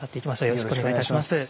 よろしくお願いします。